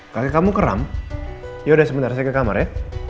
kakek kamu kram yaudah sebentar saya ke kamar ya